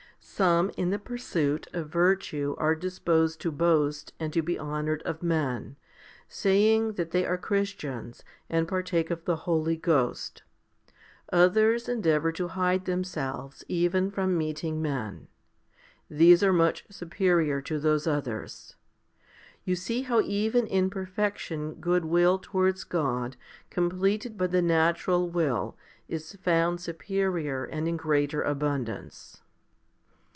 Some in the pursuit of virtue are disposed to boast and to be honoured of men, saying that they are Christians and partake of the Holy Ghost. Others endeavour to hide themselves even from meeting men. These are much superior to those others. You see how even in perfection goodwill towards God completed by the natural will is found superior and in greater abundance.